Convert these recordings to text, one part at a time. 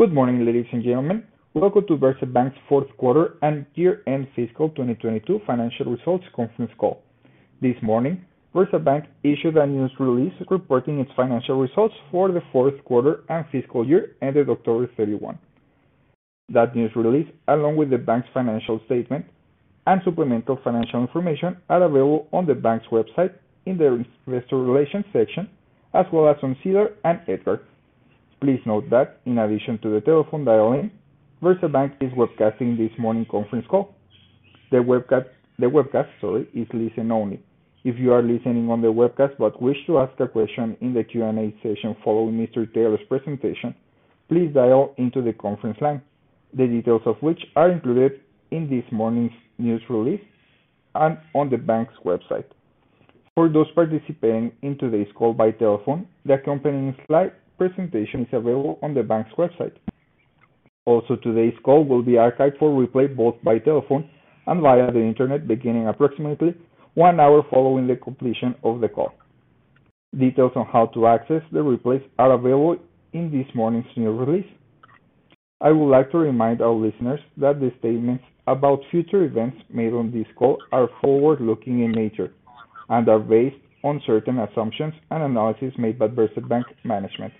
Good morning, ladies and gentlemen. Welcome to VersaBank's fourth quarter and year-end fiscal 2022 financial results conference call. This morning, VersaBank issued a news release reporting its financial results for the fourth quarter and fiscal year ended October 31. That news release, along with the bank's financial statement and supplemental financial information, are available on the bank's website in their investor relations section, as well as on SEDAR and EDGAR. Please note that in addition to the telephone dial-in, VersaBank is webcasting this morning's conference call. The webcast, sorry, is listen-only. If you are listening on the webcast but wish to ask a question in the Q&A session following Mr. Taylor's presentation, please dial into the conference line, the details of which are included in this morning's news release and on the bank's website. For those participating in today's call by telephone, the accompanying slide presentation is available on the bank's website. Also, today's call will be archived for replay both by telephone and via the Internet beginning approximately one hour following the completion of the call. Details on how to access the replays are available in this morning's news release. I would like to remind our listeners that the statements about future events made on this call are forward-looking in nature and are based on certain assumptions and analysis made by VersaBank's management.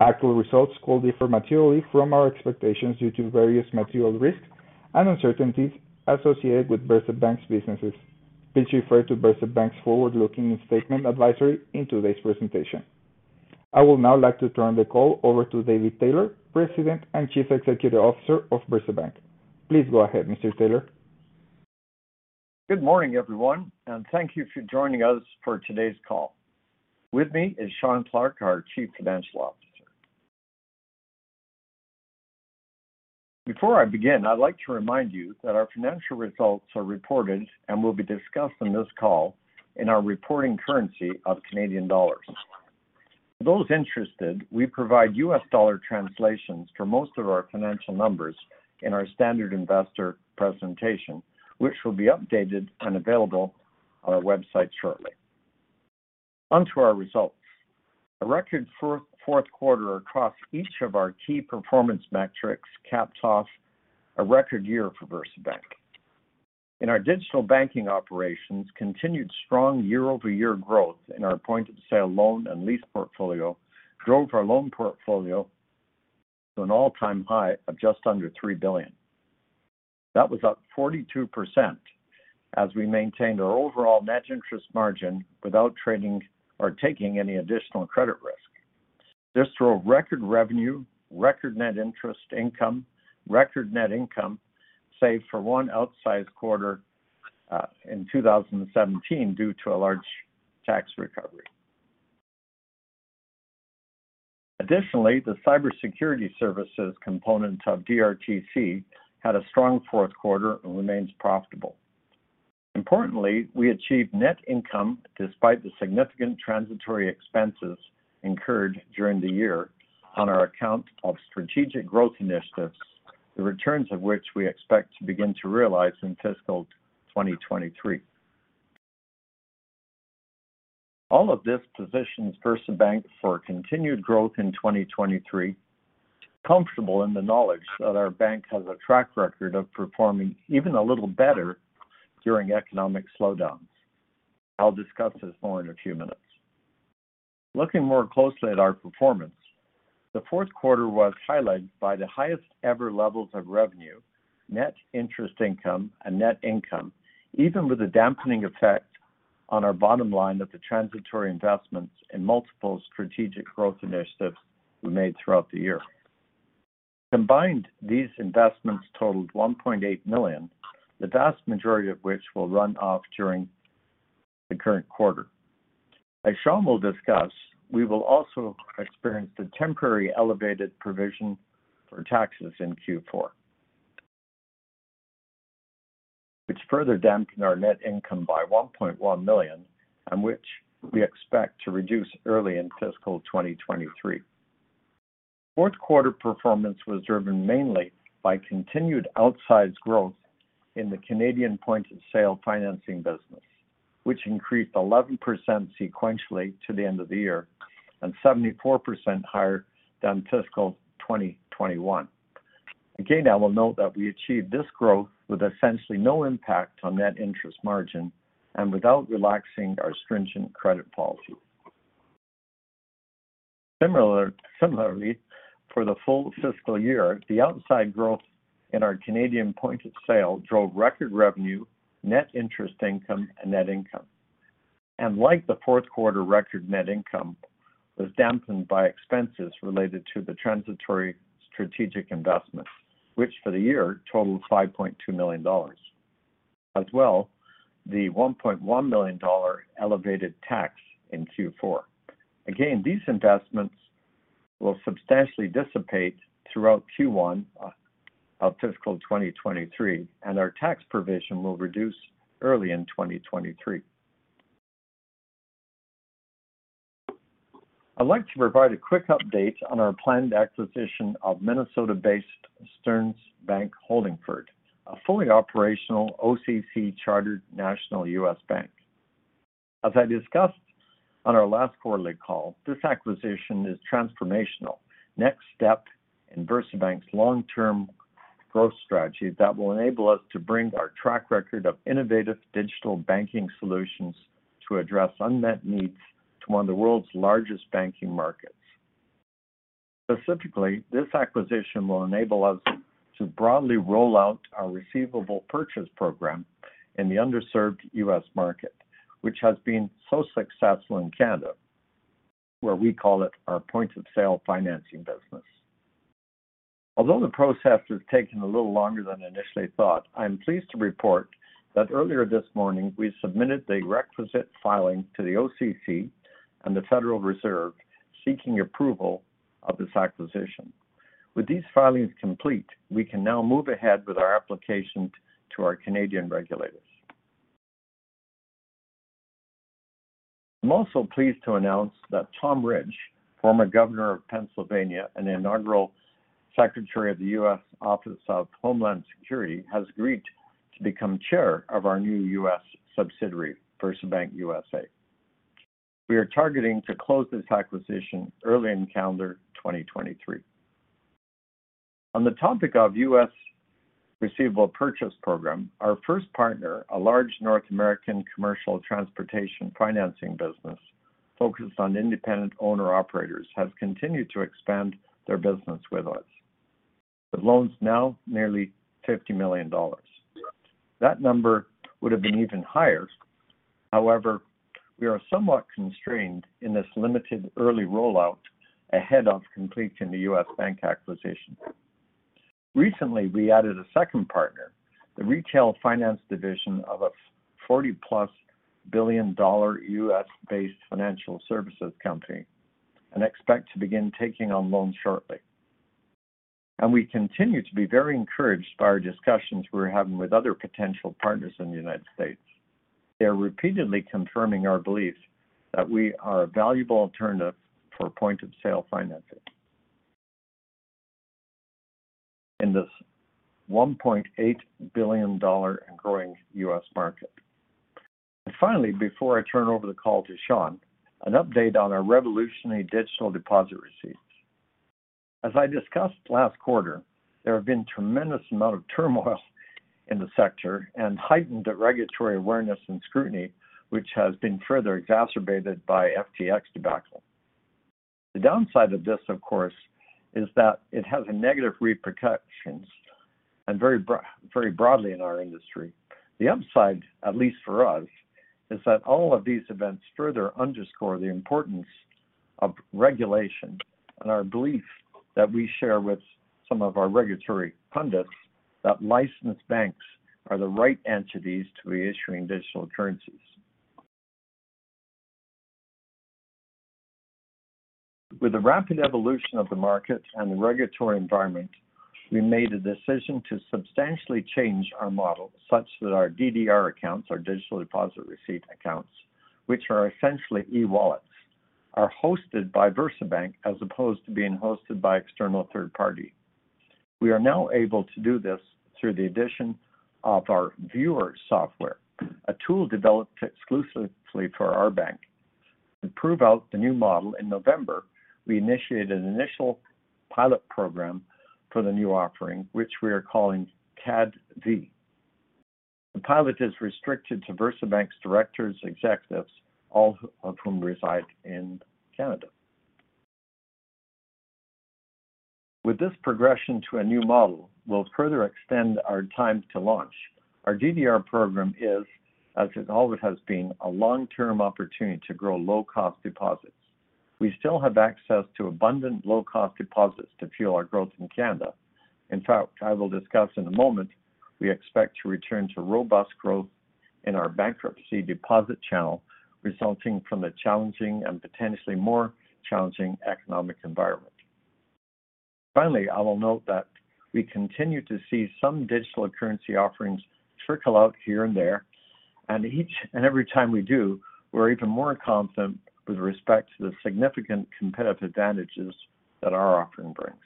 Actual results could differ materially from our expectations due to various material risks and uncertainties associated with VersaBank's businesses. Please refer to VersaBank's forward-looking statement advisory in today's presentation. I would now like to turn the call over to David Taylor, President and Chief Executive Officer of VersaBank. Please go ahead, Mr. Taylor. Good morning, everyone. Thank you for joining us for today's call. With me is Shawn Clarke, our Chief Financial Officer. Before I begin, I'd like to remind you that our financial results are reported and will be discussed on this call in our reporting currency of Canadian dollars. For those interested, we provide U.S. dollar translations for most of our financial numbers in our standard investor presentation, which will be updated and available on our website shortly. On to our results. A record fourth quarter across each of our key performance metrics capped off a record year for VersaBank. In our digital banking operations, continued strong year-over-year growth in our point-of-sale loan and lease portfolio drove our loan portfolio to an all-time high of just under 3 billion. That was up 42% as we maintained our overall net interest margin without trading or taking any additional credit risk. This drove record revenue, record net interest income, record net income, save for one outsized quarter in 2017 due to a large tax recovery. Additionally, the cybersecurity services component of DRTC had a strong fourth quarter and remains profitable. Importantly, we achieved net income despite the significant transitory expenses incurred during the year on our account of strategic growth initiatives, the returns of which we expect to begin to realize in fiscal 2023. All of this positions VersaBank for continued growth in 2023, comfortable in the knowledge that our bank has a track record of performing even a little better during economic slowdowns. I'll discuss this more in a few minutes. Looking more closely at our performance, the fourth quarter was highlighted by the highest ever levels of revenue, net interest income, and net income, even with the dampening effect on our bottom line of the transitory investments in multiple strategic growth initiatives we made throughout the year. Combined, these investments totaled 1.8 million, the vast majority of which will run off during the current quarter. As Shawn will discuss, we will also experience the temporary elevated provision for taxes in Q4 which further dampened our net income by 1.1 million, and which we expect to reduce early in fiscal 2023. Fourth quarter performance was driven mainly by continued outsized growth in the Canadian point-of-sale Financing business, which increased 11% sequentially to the end of the year and 74% higher than fiscal 2021. Again, I will note that we achieved this growth with essentially no impact on net interest margin and without relaxing our stringent credit policy. Similarly, for the full fiscal year, the outside growth in our Canadian point-of-sale drove record revenue, net interest income, and net income. Like the fourth quarter record net income was dampened by expenses related to the transitory strategic investment, which for the year totaled 5.2 million dollars, as well the 1.1 million dollar elevated tax in Q4. Again, these investments will substantially dissipate throughout Q1 of fiscal 2023, and our tax provision will reduce early in 2023. I'd like to provide a quick update on our planned acquisition of Minnesota-based Stearns Bank Holdingford, a fully operational OCC chartered national U.S. bank. As I discussed on our last quarterly call, this acquisition is transformational. Next step in VersaBank's long-term growth strategy that will enable us to bring our track record of innovative digital banking solutions to address unmet needs to one of the world's largest banking markets. Specifically, this acquisition will enable us to broadly roll out our Receivable Purchase Program in the underserved U.S. market, which has been so successful in Canada, where we call it our Point-of-Sale Financing business. The process has taken a little longer than initially thought, I'm pleased to report that earlier this morning, we submitted the requisite filing to the OCC and the Federal Reserve seeking approval of this acquisition. With these filings complete, we can now move ahead with our application to our Canadian regulators. I'm also pleased to announce that Tom Ridge, former governor of Pennsylvania and inaugural secretary of the Department of Homeland Security, has agreed to become chair of our new U.S. subsidiary, VersaBank USA. We are targeting to close this acquisition early in calendar 2023. On the topic of U.S. Receivable Purchase Program, our first partner, a large North American commercial transportation financing business focused on independent owner-operators, has continued to expand their business with us. With loans now nearly $50 million. That number would have been even higher. However, we are somewhat constrained in this limited early rollout ahead of completing the U.S. Bank acquisition. Recently, we added a second partner, the retail finance division of a $40+ billion U.S.-based financial services company, and expect to begin taking on loans shortly. We continue to be very encouraged by our discussions we're having with other potential partners in the United States. They are repeatedly confirming our belief that we are a valuable alternative for point-of-sale Financing in this $1.8 billion and growing U.S. market. Finally, before I turn over the call to Shawn, an update on our revolutionary Digital Deposit Receipts. As I discussed last quarter, there have been tremendous amount of turmoil in the sector and heightened regulatory awareness and scrutiny, which has been further exacerbated by FTX debacle. The downside of this, of course, is that it has a negative repercussions and very broadly in our industry. The upside, at least for us, is that all of these events further underscore the importance of regulation and our belief that we share with some of our regulatory pundits that licensed banks are the right entities to be issuing digital currencies. With the rapid evolution of the market and the regulatory environment, we made a decision to substantially change our model such that our DDR accounts, our Digital Deposit Receipt accounts, which are essentially eWallets, are hosted by VersaBank as opposed to being hosted by external third party. We are now able to do this through the addition of our Viewer software, a tool developed exclusively for our bank. To prove out the new model in November, we initiated an initial pilot program for the new offering, which we are calling CADV. The pilot is restricted to VersaBank's directors, executives, all of whom reside in Canada. With this progression to a new model, we'll further extend our time to launch. Our DDR program is, as it always has been, a long-term opportunity to grow low-cost deposits. We still have access to abundant low-cost deposits to fuel our growth in Canada. In fact, I will discuss in a moment, we expect to return to robust growth in our bankruptcy deposit channel, resulting from the challenging and potentially more challenging economic environment. Finally, I will note that we continue to see some digital currency offerings trickle out here and there. Each and every time we do, we're even more confident with respect to the significant competitive advantages that our offering brings.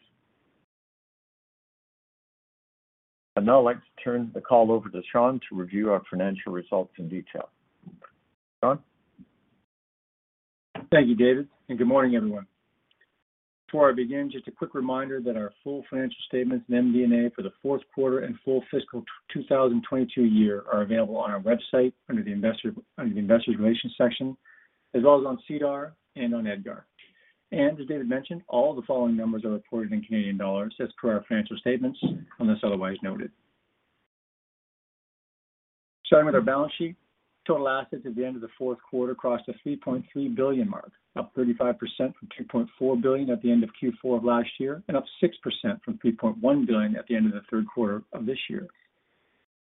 I'd now like to turn the call over to Shawn to review our financial results in detail. Shawn. Thank you, David, and good morning, everyone. Before I begin, just a quick reminder that our full financial statements and MD&A for the fourth quarter and full fiscal 2022 year are available on our website under the investor relations section, as well as on SEDAR and on EDGAR. As David mentioned, all the following numbers are reported in Canadian dollars as per our financial statements, unless otherwise noted. Starting with our balance sheet, total assets at the end of the fourth quarter crossed the 3.3 billion mark, up 35% from 2.4 billion at the end of Q4 of last year and up 6% from 3.1 billion at the end of the third quarter of this year.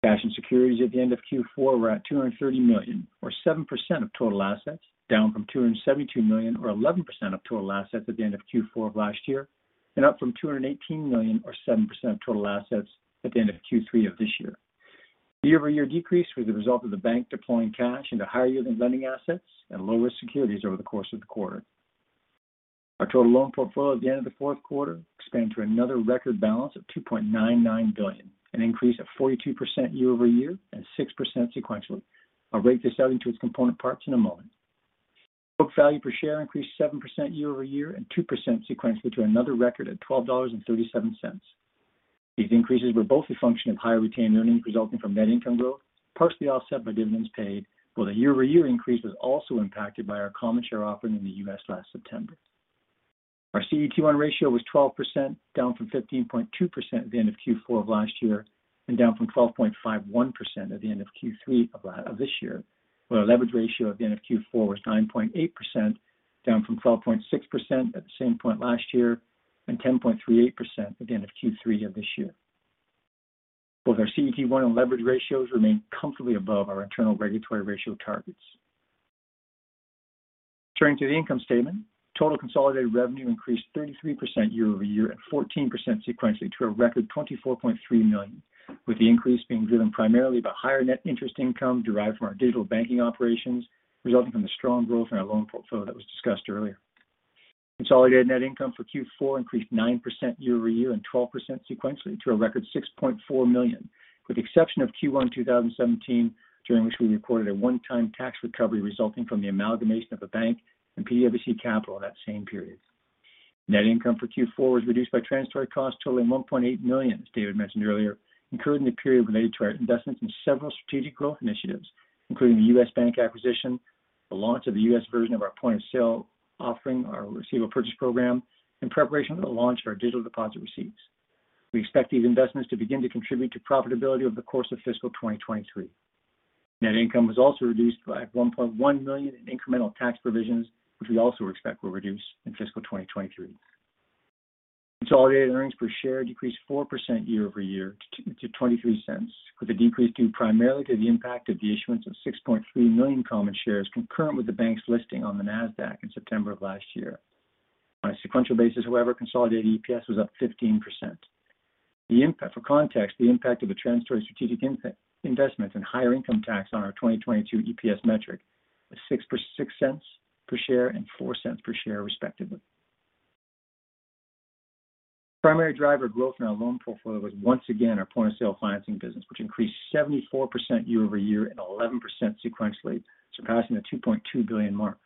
Cash and securities at the end of Q4 were at 230 million or 7% of total assets, down from 272 million or 11% of total assets at the end of Q4 of last year, up from 218 million or 7% of total assets at the end of Q3 of this year. The year-over-year decrease was a result of the bank deploying cash into higher year than lending assets and lower securities over the course of the quarter. Our total loan portfolio at the end of the fourth quarter expanded to another record balance of 2.99 billion, an increase of 42% year-over-year and 6% sequentially. I'll break this out into its component parts in a moment. Book value per share increased 7% year-over-year and 2% sequentially to another record at 12.37 dollars. These increases were both a function of higher retained earnings resulting from net income growth, partially offset by dividends paid, while the year-over-year increase was also impacted by our common share offering in the U.S. last September. Our CET1 ratio was 12%, down from 15.2% at the end of Q4 of last year and down from 12.51% at the end of Q3 of this year, while our leverage ratio at the end of Q4 was 9.8%, down from 12.6% at the same point last year and 10.38% at the end of Q3 of this year. Both our CET1 and leverage ratios remain comfortably above our internal regulatory ratio targets. Turning to the income statement, total consolidated revenue increased 33% year-over-year at 14% sequentially to a record 24.3 million, with the increase being driven primarily by higher net interest income derived from our digital banking operations, resulting from the strong growth in our loan portfolio that was discussed earlier. Consolidated net income for Q4 increased 9% year-over-year and 12% sequentially to a record 6.4 million, with the exception of Q1 2017, during which we recorded a one-time tax recovery resulting from the amalgamation of a bank and PWC Capital that same period. Net income for Q4 was reduced by transitory costs totaling 1.8 million, as David mentioned earlier, incurred in the period related to our investments in several strategic growth initiatives, including the U.S. Bank acquisition, the launch of the U.S. version of our point-of-sale offering, our Receivable Purchase Program, in preparation for the launch of our Digital Deposit Receipts. We expect these investments to begin to contribute to profitability over the course of fiscal 2023. Net income was also reduced by 1.1 million in incremental tax provisions, which we also expect will reduce in fiscal 2023. Consolidated earnings per share decreased 4% year-over-year to 0.23, with the decrease due primarily to the impact of the issuance of 6.3 million common shares concurrent with the bank's listing on the NASDAQ in September of last year. On a sequential basis, however, consolidated EPS was up 15%. The impact, for context, the impact of the transitory strategic investments and higher income tax on our 2022 EPS metric was 0.06 per share and 0.04 per share respectively. The primary driver of growth in our loan portfolio was once again our point-of-sale financing business, which increased 74% year-over-year and 11% sequentially, surpassing the 2.2 billion mark.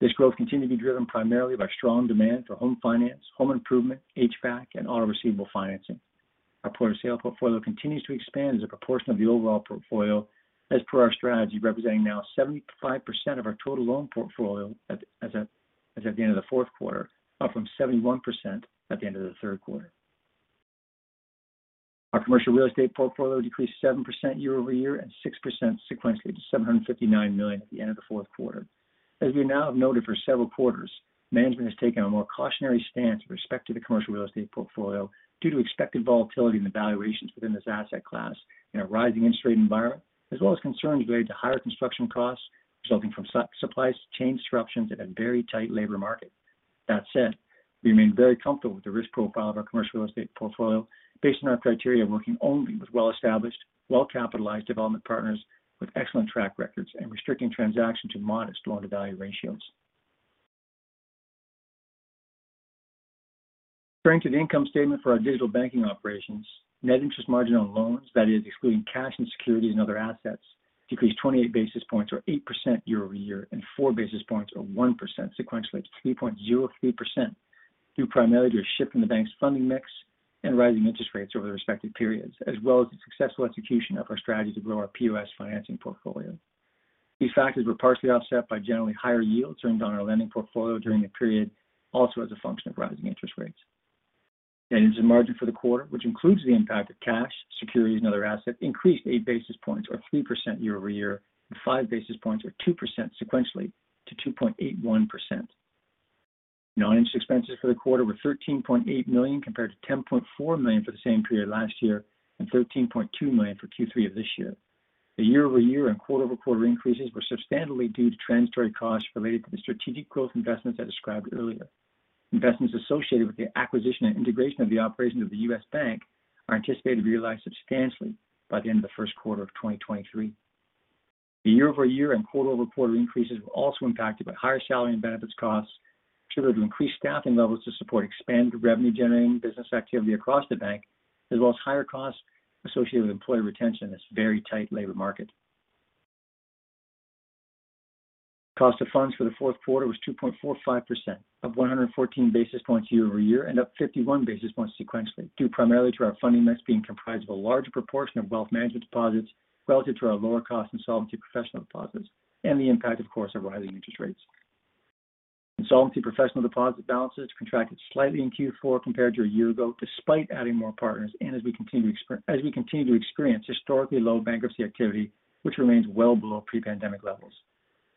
This growth continued to be driven primarily by strong demand for home finance, home improvement, HVAC, and auto receivable financing. Our point-of-sale portfolio continues to expand as a proportion of the overall portfolio as per our strategy, representing now 75% of our total loan portfolio as at the end of the fourth quarter, up from 71% at the end of the third quarter. Our commercial real estate portfolio decreased 7% year-over-year and 6% sequentially to 759 million at the end of the fourth quarter. As we now have noted for several quarters, management has taken a more cautionary stance with respect to the commercial real estate portfolio due to expected volatility in the valuations within this asset class in a rising interest rate environment, as well as concerns related to higher construction costs resulting from supply chain disruptions and a very tight labor market. That said, we remain very comfortable with the risk profile of our commercial real estate portfolio based on our criteria of working only with well-established, well-capitalized development partners with excellent track records and restricting transaction to modest loan-to-value ratios. Turning to the income statement for our digital banking operations, net interest margin on loans, that is excluding cash and securities and other assets, decreased 28 basis points or 8% year-over-year and four basis points or 1% sequentially to 3.03% due primarily to a shift in the bank's funding mix and rising interest rates over the respective periods, as well as the successful execution of our strategy to grow our POS financing portfolio. These factors were partially offset by generally higher yields earned on our lending portfolio during the period also as a function of rising interest rates. As a margin for the quarter, which includes the impact of cash, securities, and other assets, increased eight basis points or 3% year-over-year and five basis points or 2% sequentially to 2.81%. Non-interest expenses for the quarter were 13.8 million compared to 10.4 million for the same period last year and 13.2 million for Q3 of this year. The year-over-year and quarter-over-quarter increases were substantially due to transitory costs related to the strategic growth investments I described earlier. Investments associated with the acquisition and integration of the operations of the U.S. Bank are anticipated to be realized substantially by the end of the first quarter of 2023. The year-over-year and quarter-over-quarter increases were also impacted by higher salary and benefits costs attributed to increased staffing levels to support expanded revenue-generating business activity across the bank, as well as higher costs associated with employee retention in this very tight labor market. Cost of funds for the fourth quarter was 2.45%, up 114 basis points year-over-year and up 51 basis points sequentially due primarily to our funding mix being comprised of a larger proportion of wealth management deposits relative to our lower cost insolvency professional deposits and the impact, of course, of rising interest rates. Insolvency professional deposit balances contracted slightly in Q4 compared to a year ago, despite adding more partners and as we continue to experience historically low bankruptcy activity, which remains well below pre-pandemic levels.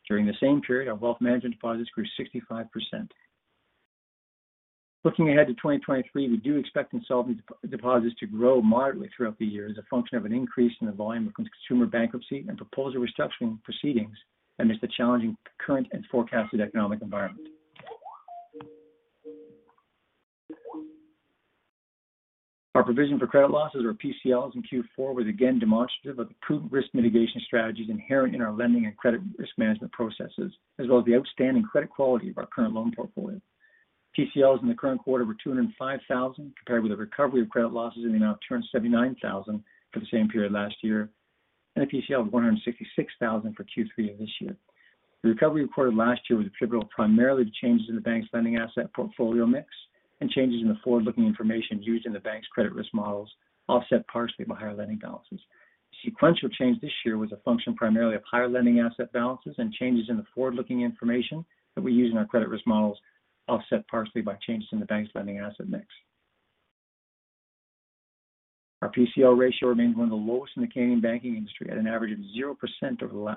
During the same period, our wealth management deposits grew 65%. Looking ahead to 2023, we do expect insolvency deposits to grow moderately throughout the year as a function of an increase in the volume of consumer bankruptcy and proposal restructuring proceedings amidst the challenging current and forecasted economic environment. Our provision for credit losses or PCLs in Q4 was again demonstrative of the prudent risk mitigation strategies inherent in our lending and credit risk management processes, as well as the outstanding credit quality of our current loan portfolio. PCLs in the current quarter were 205,000, compared with a recovery of credit losses in the amount of 79,000 for the same period last year, and a PCL of 166,000 for Q3 of this year. The recovery recorded last year was attributable primarily to changes in the bank's lending asset portfolio mix and changes in the forward-looking information used in the bank's credit risk models, offset partially by higher lending balances. Sequential change this year was a function primarily of higher lending asset balances and changes in the forward-looking information that we use in our credit risk models, offset partially by changes in the bank's lending asset mix. Our PCL ratio remains one of the lowest in the Canadian banking industry at an average of 0%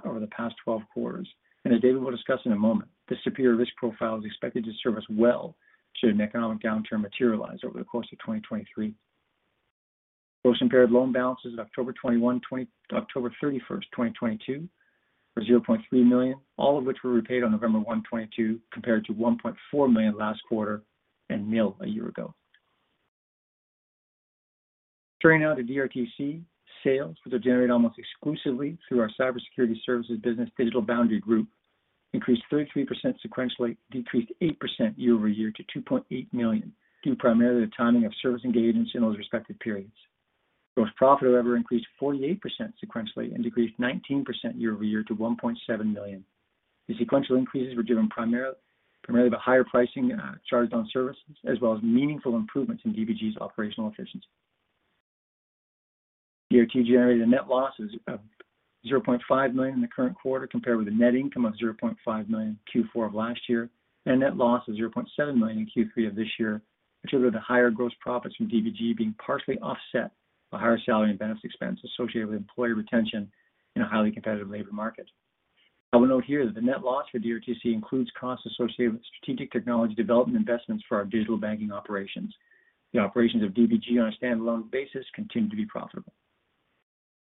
over the past 12 quarters. As David will discuss in a moment, the superior risk profile is expected to serve us well should an economic downturn materialize over the course of 2023. Gross impaired loan balances October 31st, 2022 were 0.3 million, all of which were repaid on November 1, 2022, compared to 1.4 million last quarter and nil a year ago. Turning now to DRTC sales, which are generated almost exclusively through our cybersecurity services business Digital Boundary Group, increased 33% sequentially, decreased 8% year-over-year to 2.8 million, due primarily to timing of service engagements in those respective periods. Gross profit however increased 48% sequentially and decreased 19% year-over-year to 1.7 million. The sequential increases were driven primarily by higher pricing charged on services, as well as meaningful improvements in DBG's operational efficiency. DRT generated a net loss of 0.5 million in the current quarter compared with a net income of 0.5 million Q4 of last year and a net loss of 0.7 million in Q3 of this year, which was the higher gross profits from DBG being partially offset by higher salary and benefits expense associated with employee retention in a highly competitive labor market. I will note here that the net loss for DRTC includes costs associated with strategic technology development investments for our digital banking operations. The operations of DBG on a standalone basis continue to be profitable.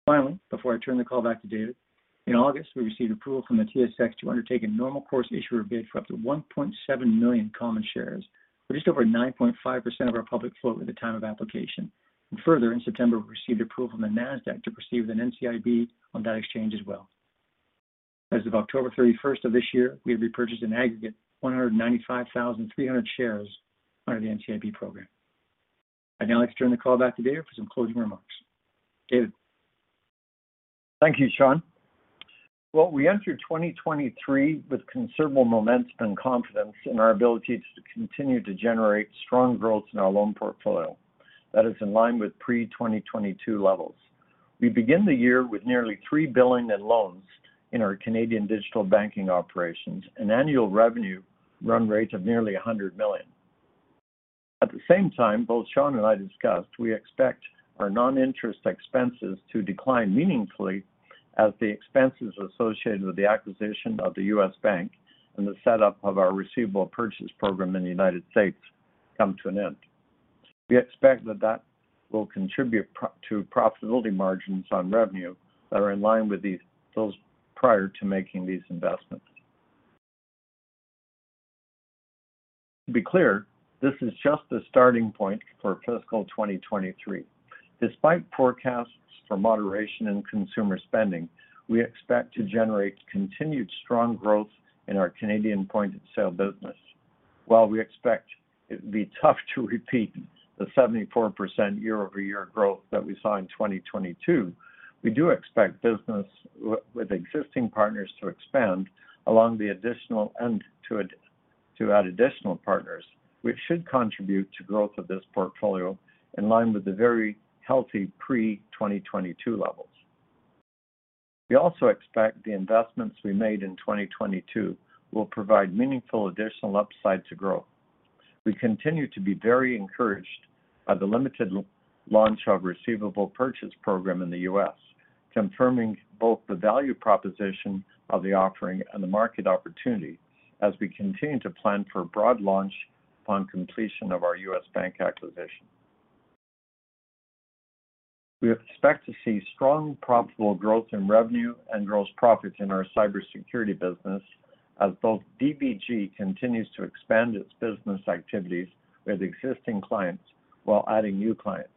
Finally, before I turn the call back to David, in August, we received approval from the TSX to undertake a normal course issuer bid for up to 1.7 million common shares, or just over 9.5% of our public float at the time of application. Further, in September, we received approval from the NASDAQ to proceed with an NCIB on that exchange as well. As of October 31st of this year, we have repurchased in aggregate 195,300 shares under the NCIB program. I'd now like to turn the call back to David for some closing remarks. David. Thank you, Shawn. Well, we enter 2023 with considerable momentum and confidence in our ability to continue to generate strong growth in our loan portfolio that is in line with pre-2022 levels. We begin the year with nearly 3 billion in loans in our Canadian digital banking operations, an annual revenue run rate of nearly 100 million. At the same time, both Shawn and I discussed we expect our non-interest expenses to decline meaningfully as the expenses associated with the acquisition of the U.S. Bank and the setup of our Receivable Purchase Program in the United States come to an end. We expect that that will contribute to profitability margins on revenue that are in line with those prior to making these investments. To be clear, this is just the starting point for fiscal 2023. Despite forecasts for moderation in consumer spending, we expect to generate continued strong growth in our Canadian point-of-sale business. While we expect it will be tough to repeat the 74% year-over-year growth that we saw in 2022, we do expect business with existing partners to expand along the additional and to add additional partners, which should contribute to growth of this portfolio in line with the very healthy pre-2022 levels. We also expect the investments we made in 2022 will provide meaningful additional upside to growth. We continue to be very encouraged by the limited launch of Receivable Purchase Program in the U.S., confirming both the value proposition of the offering and the market opportunity as we continue to plan for a broad launch upon completion of our U.S. Bank acquisition. We expect to see strong profitable growth in revenue and gross profits in our cybersecurity business as both DBG continues to expand its business activities with existing clients while adding new clients.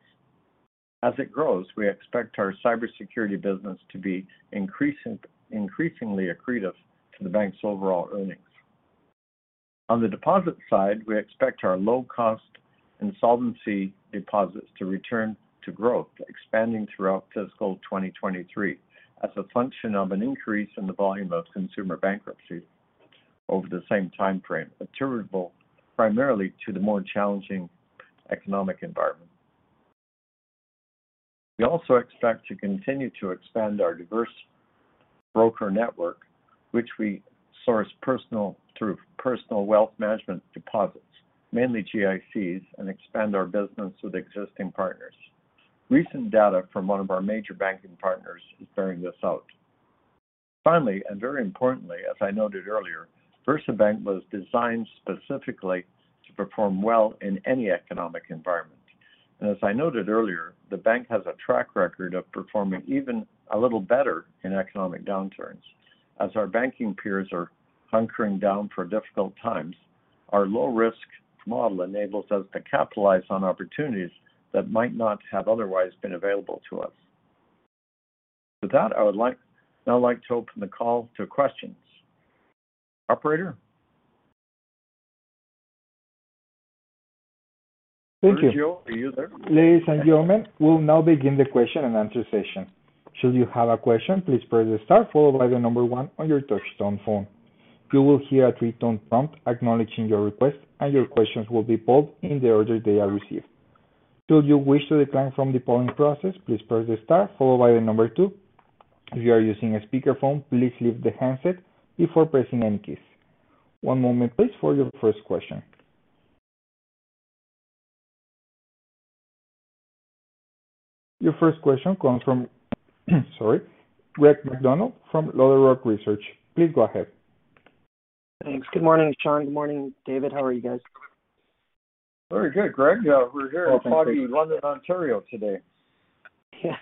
As it grows, we expect our cybersecurity business to be increasingly accretive to the bank's overall earnings. On the deposit side, we expect our low-cost insolvency deposits to return to growth, expanding throughout fiscal 2023 as a function of an increase in the volume of consumer bankruptcies over the same time frame, attributable primarily to the more challenging economic environment. We also expect to continue to expand our diverse broker network, which we source through personal wealth management deposits, mainly GICs, and expand our business with existing partners. Recent data from one of our major banking partners is bearing this out. Finally, very importantly, as I noted earlier, VersaBank was designed specifically to perform well in any economic environment. As I noted earlier, the bank has a track record of performing even a little better in economic downturns. As our banking peers are hunkering down for difficult times. Our low risk model enables us to capitalize on opportunities that might not have otherwise been available to us. With that, I'd like to open the call to questions. Operator? Thank you. Joe, are you there? Ladies and gentlemen, we'll now begin the question and answer session. Should you have a question, please press star followed by the number one on your touchtone phone. You will hear a three-tone prompt acknowledging your request. Your questions will be pulled in the order they are received. Should you wish to decline from the polling process, please press the star followed by the number two. If you are using a speakerphone, please leave the handset before pressing any keys. One moment please for your first question. Your first question comes from, sorry, Greg MacDonald from LodeRock Research. Please go ahead. Thanks. Good morning, Shawn. Good morning, David. How are you guys? Very good, Greg. We're here in foggy London, Ontario today. Yeah.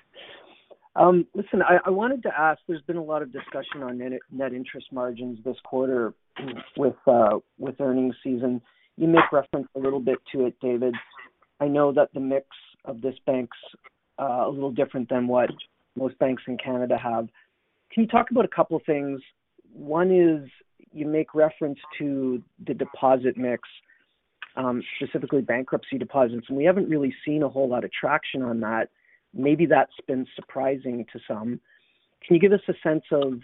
listen, I wanted to ask, there's been a lot of discussion on net interest margins this quarter with earnings season. You make reference a little bit to it, David. I know that the mix of this bank's a little different than what most banks in Canada have. Can you talk about a couple of things? One is you make reference to the deposit mix, specifically bankruptcy deposits, and we haven't really seen a whole lot of traction on that. Maybe that's been surprising to some. Can you give us a sense of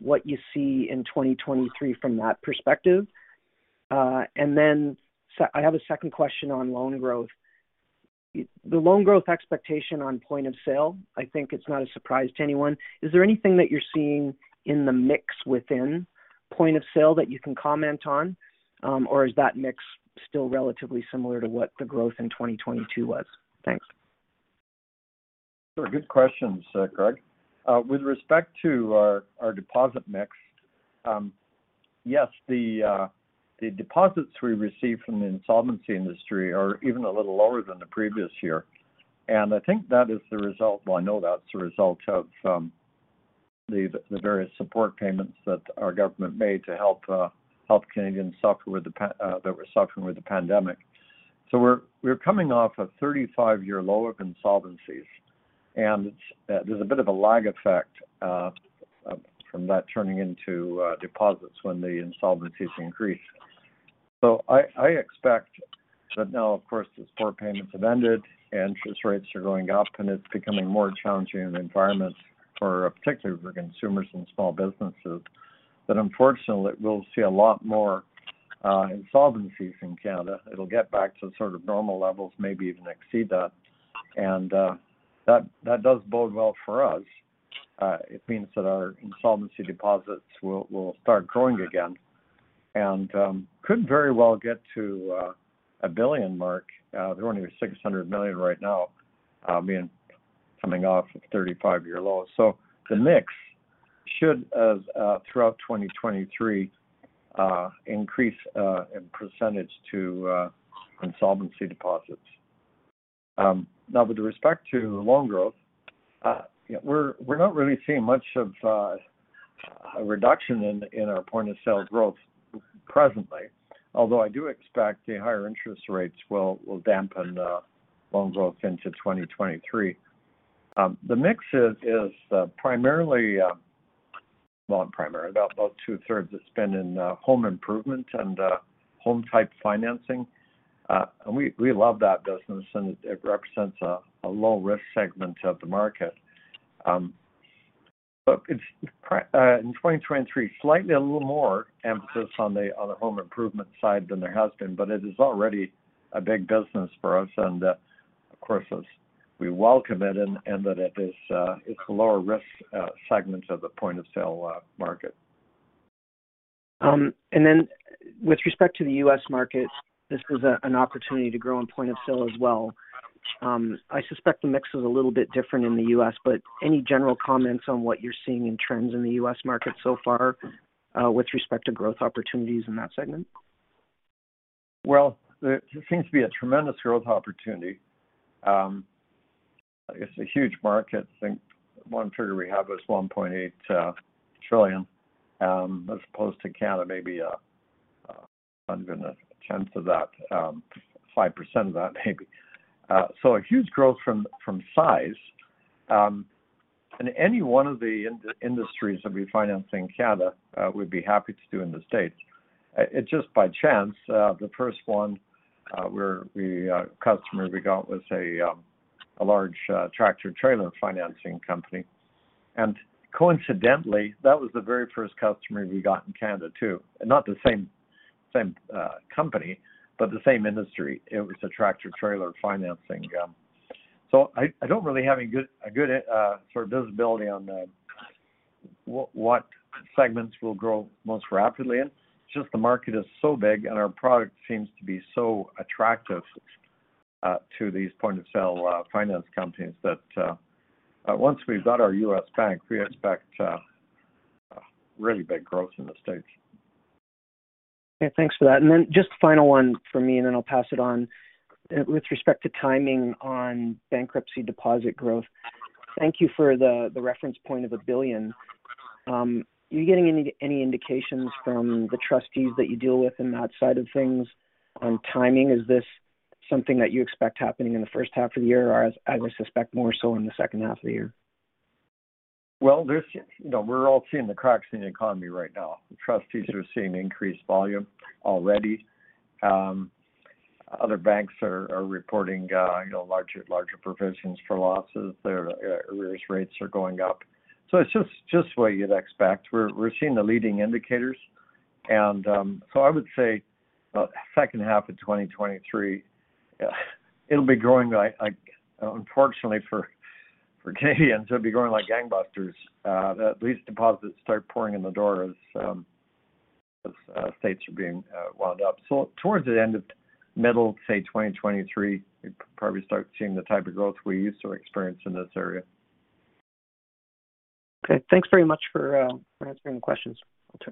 what you see in 2023 from that perspective? I have a second question on loan growth. The loan growth expectation on point of sale, I think it's not a surprise to anyone. Is there anything that you're seeing in the mix within point of sale that you can comment on? or is that mix still relatively similar to what the growth in 2022 was? Thanks. Sure. Good questions, Greg. With respect to our deposit mix, yes, the deposits we receive from the insolvency industry are even a little lower than the previous year. I think that is the result. Well, I know that's a result of the various support payments that our government made to help Canadians suffer with the pandemic. We're coming off a 35-year low of insolvencies, and there's a bit of a lag effect from that turning into deposits when the insolvencies increase. I expect that now, of course, the support payments have ended and interest rates are going up, and it's becoming more challenging an environment for, particularly for consumers and small businesses, that unfortunately we'll see a lot more insolvencies in Canada. It'll get back to sort of normal levels, maybe even exceed that. That does bode well for us. It means that our insolvency deposits will start growing again and could very well get to a 1 billion mark. They're only 600 million right now, I mean, coming off of 35-year lows. The mix should throughout 2023 increase in percentage to insolvency deposits. Now with respect to loan growth, we're not really seeing much of a reduction in our point-of-sale growth presently. Although I do expect the higher interest rates will dampen loan growth into 2023. The mix is primarily, well, not primary. About two-thirds has been in home improvement and home-type financing. We love that business, and it represents a low-risk segment of the market. Look, in 2023, slightly a little more emphasis on the home improvement side than there has been, but it is already a big business for us. Of course, as we welcome it and that it is, it's a lower risk segment of the point-of-sale market. With respect to the U.S. market, this is an opportunity to grow in point of sale as well. I suspect the mix is a little bit different in the U.S., but any general comments on what you're seeing in trends in the U.S. market so far, with respect to growth opportunities in that segment? There seems to be a tremendous growth opportunity. It's a huge market. I think one trigger we have is $1.8 trillion, as opposed to Canada, maybe, not even a tenth of that, 5% of that maybe. A huge growth from size. Any one of the industries that we finance in Canada, we'd be happy to do in the States. It's just by chance, the first one, the customer we got was a large tractor-trailer financing company. Coincidentally, that was the very first customer we got in Canada, too. Not the same company, but the same industry. It was a tractor-trailer financing. I don't really have a good sort of visibility on what segments we'll grow most rapidly in. It's just the market is so big, and our product seems to be so attractive, to these point-of-sale finance companies that, once we've got our U.S. bank, we expect really big growth in the States. Okay. Thanks for that. Just final one for me, and then I'll pass it on. With respect to timing on bankruptcy deposit growth, thank you for the reference point of 1 billion. Are you getting any indications from the trustees that you deal with in that side of things on timing? Is this something that you expect happening in the first half of the year or as I suspect more so in the second half of the year? Well, you know, we're all seeing the cracks in the economy right now. The trustees are seeing increased volume already. Other banks are reporting, you know, larger provisions for losses. Their arrears rates are going up. It's just what you'd expect. We're seeing the leading indicators. I would say second half of 2023, it'll be growing. Unfortunately for Canadians, it'll be growing like gangbusters. These deposits start pouring in the door as states are being wound up. Towards the end of middle, say, 2023, we probably start seeing the type of growth we used to experience in this area. Okay. Thanks very much for answering the questions.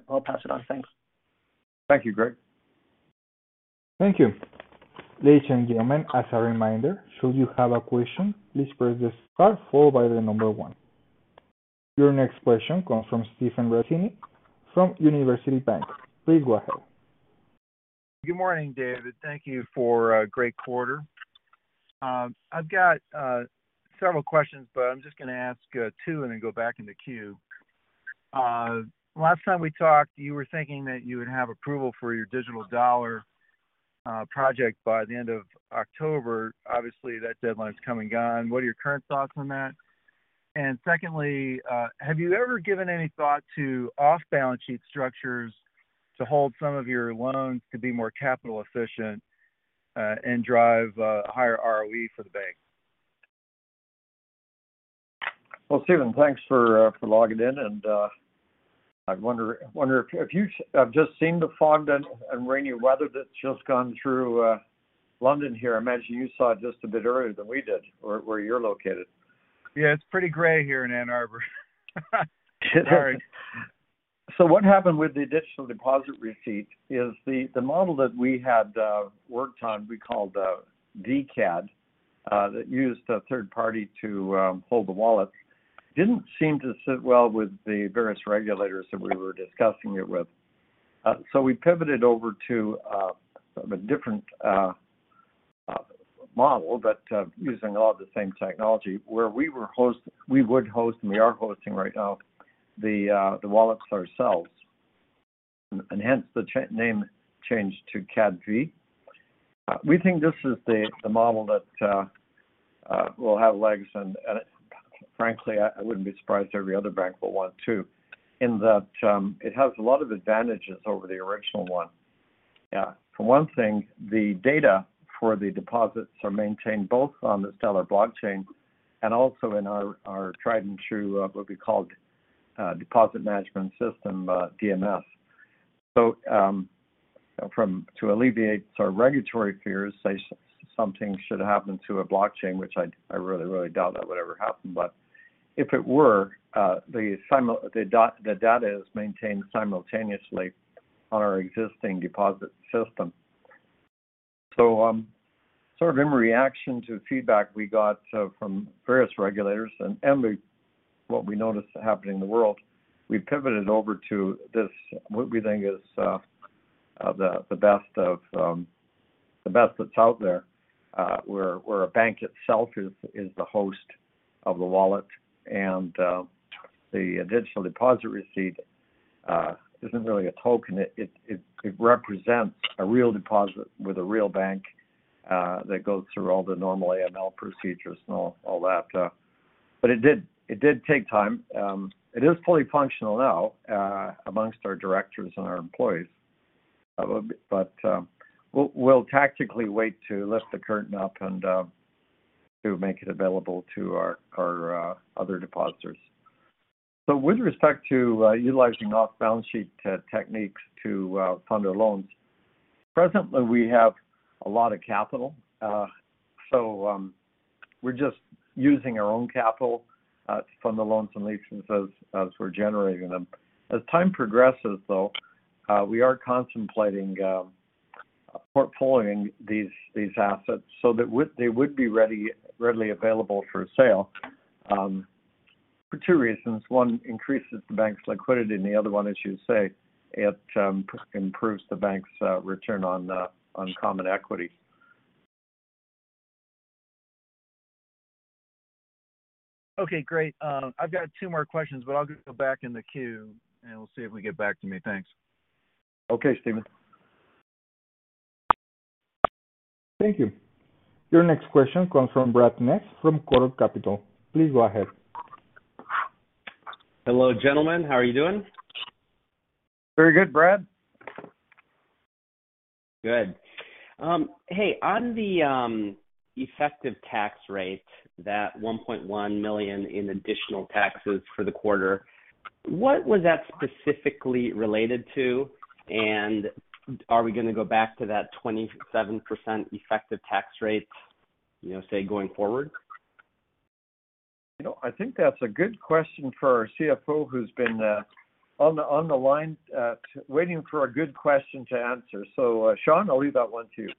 I'll pass it on. Thanks. Thank you, Greg. Thank you. Ladies and gentlemen, as a reminder, should you have a question, please press star followed by one. Your next question comes from Stephen Ranzini from University Bank. Please go ahead. Good morning, David. Thank you for a great quarter. I've got several questions, but I'm just gonna ask two and then go back in the queue. Last time we talked, you were thinking that you would have approval for your Digital Deposit Receipt project by the end of October. Obviously, that deadline's come and gone. What are your current thoughts on that? Secondly, have you ever given any thought to off-balance sheet structures to hold some of your loans to be more capital efficient and drive higher ROE for the bank? Well, Stephen, thanks for logging in. I wonder if you have just seen the fog and rainy weather that's just gone through, London here. I imagine you saw it just a bit earlier than we did where you're located. Yeah, it's pretty gray here in Ann Arbor. Sorry. What happened with the additional Digital Deposit Receipt is the model that we had worked on, we called DCAD, that used a third party to hold the wallets, didn't seem to sit well with the various regulators that we were discussing it with. We pivoted over to a different model, but using all the same technology where we would host, and we are hosting right now, the wallets ourselves. Hence the name changed to CADV. We think this is the model that will have legs. And frankly, I wouldn't be surprised every other bank will want too, in that it has a lot of advantages over the original one. For one thing, the data for the deposits are maintained both on the Stellar blockchain and also in our tried and true, what we called, deposit management system, DMS. To alleviate our regulatory fears, say something should happen to a blockchain, which I really doubt that would ever happen. If it were, the data is maintained simultaneously on our existing deposit system. Sort of in reaction to feedback we got from various regulators and what we noticed happening in the world, we pivoted over to this, what we think is the best of the best that's out there, where a bank itself is the host of the wallet. The Digital Deposit Receipt isn't really a token. It represents a real deposit with a real bank that goes through all the normal AML procedures and all that. But it did take time. It is fully functional now amongst our directors and our employees. But we'll tactically wait to lift the curtain up and to make it available to our other depositors. With respect to utilizing off-balance sheet techniques to fund our loans, presently, we have a lot of capital. We're just using our own capital to fund the loans and leases as we're generating them. As time progresses, though, we are contemplating portfolioing these assets so that they would be readily available for sale for two reasons. One increases the bank's liquidity, and the other one, as you say, it, improves the bank's return on common equity. Okay, great. I've got two more questions, but I'll go back in the queue, and we'll see if we get back to me. Thanks. Okay, Stephen. Thank you. Your next question comes from Brad Ness from Choral Capital. Please go ahead. Hello, gentlemen. How are you doing? Very good, Brad. Good. Hey, on the effective tax rate, that 1.1 million in additional taxes for the quarter, what was that specifically related to? Are we gonna go back to that 27% effective tax rate, you know, say, going forward? You know, I think that's a good question for our CFO, who's been on the line, waiting for a good question to answer. Shawn, I'll leave that one to you.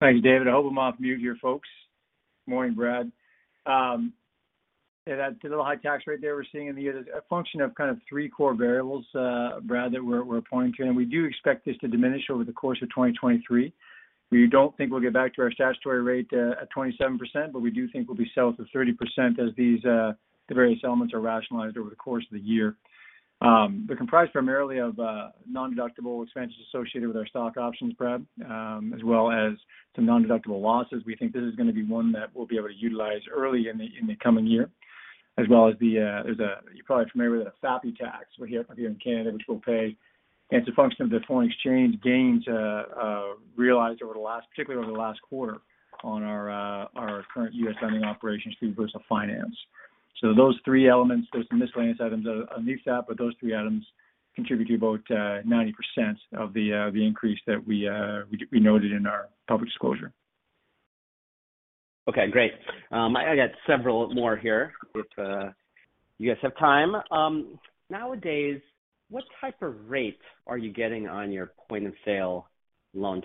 Thanks, David. I hope I'm off mute here, folks. Morning, Brad. That, the little high tax rate there we're seeing in the year is a function of kind of three core variables, Brad, that we're pointing to. We do expect this to diminish over the course of 2023. We don't think we'll get back to our statutory rate at 27%, but we do think we'll be south of 30% as these the various elements are rationalized over the course of the year. They're comprised primarily of non-deductible expenses associated with our stock options, Brad, as well as some non-deductible losses. We think this is gonna be one that we'll be able to utilize early in the coming year. As well as the, you're probably familiar with the FAPI tax here in Canada, which we'll pay. It's a function of the foreign exchange gains, realized over the last, particularly over the last quarter on our current U.S. lending operations through VersaFinance. Those three elements, those miscellaneous items are new stuff, but those three items contribute to about 90% of the increase that we noted in our public disclosure. Okay, great. I got several more here if you guys have time. Nowadays, what type of rates are you getting on your point-of-sale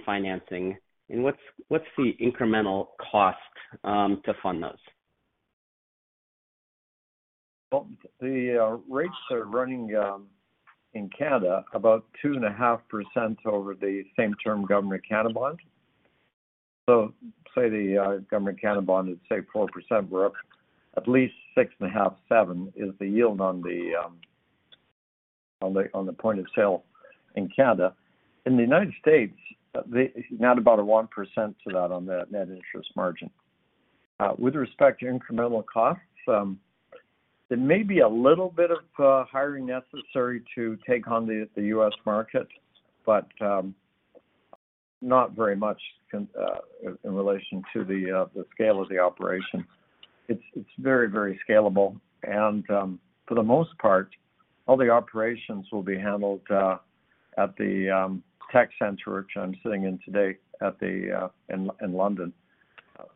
financing, and what's the incremental cost to fund those? Well, the rates are running in Canada about 2.5% over the same term government Canada bond. Say the government Canada bond is, say, 4%, we're up at least 6.5%-7% is the yield on the Point of Sale in Canada. In the United States, it's about a 1% to that on the net interest margin. With respect to incremental costs, there may be a little bit of hiring necessary to take on the U.S. market, but not very much in relation to the scale of the operation. It's very, very scalable and for the most part, all the operations will be handled at the tech center, which I'm sitting in today in London.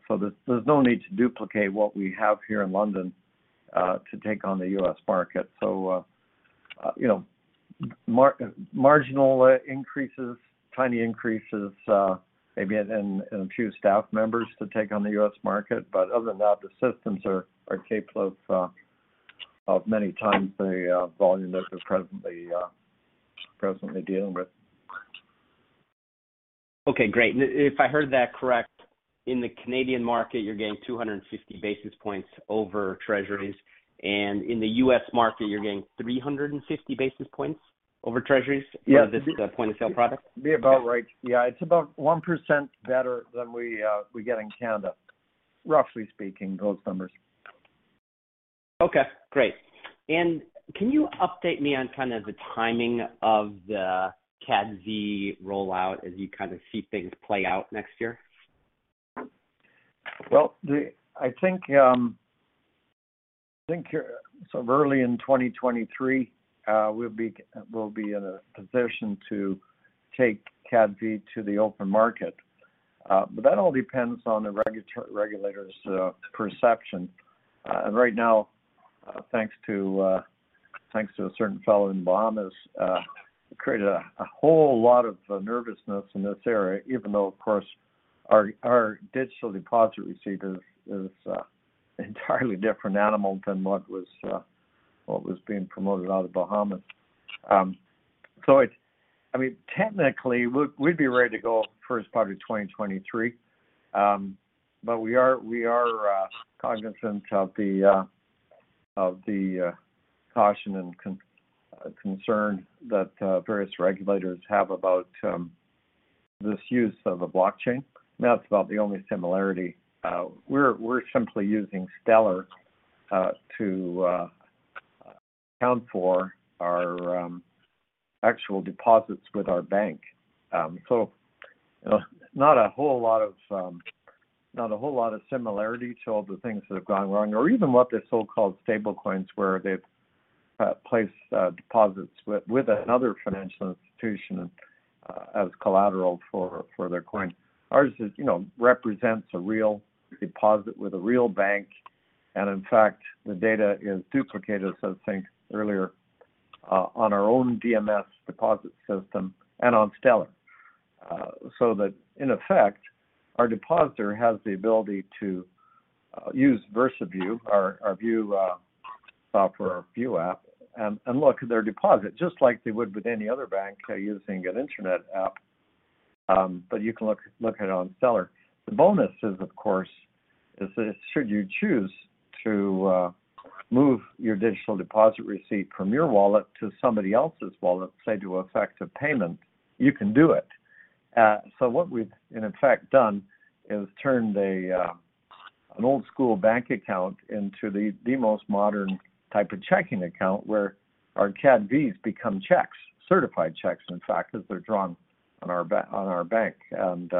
There's no need to duplicate what we have here in London to take on the U.S. market. You know, marginal increases, tiny increases, maybe in a few staff members to take on the U.S. market. Other than that, the systems are capable of many times the volume that we're presently dealing with. Okay, great. If I heard that correct, in the Canadian market, you're getting 250 basis points over Treasuries, and in the U.S. market you're getting 350 basis points over Treasuries. Yeah. for this point-of-sale product. Be about right. Yeah. It's about 1% better than we get in Canada, roughly speaking, those numbers. Okay, great. Can you update me on kind of the timing of the CADV rollout as you kind of see things play out next year? Well, the I think, I think here, sort of early in 2023, we'll be we'll be in a position to take CADV to the open market. That all depends on the regulators' perception. Right now, thanks to, thanks to a certain fellow in the Bahamas, created a whole lot of nervousness in this area, even though, of course, our Digital Deposit Receipt is entirely different animal than what was, what was being promoted out of the Bahamas. I mean, technically, we'd be ready to go first part of 2023. We are, we are cognizant of the of the caution and concern that various regulators have about this use of a blockchain. That's about the only similarity. We're simply using Stellar to account for our actual deposits with our bank. You know, not a whole lot of similarity to all the things that have gone wrong or even what the so-called stable coins where they've placed deposits with another financial institution as collateral for their coin. Ours is, you know, represents a real deposit with a real bank. In fact, the data is duplicated, as I think earlier, on our own DMS deposit system and on Stellar. That in effect, our depositor has the ability to use Versa "View", our View software, our View app and look at their deposit just like they would with any other bank using an internet app. You can look at it on Stellar. The bonus is, of course, is that should you choose to move your Digital Deposit Receipt from your wallet to somebody else's wallet, say to effect a payment, you can do it. What we've in effect done is turned an old school bank account into the most modern type of checking account where our CADVs become checks, certified checks, in fact, as they're drawn on our bank, and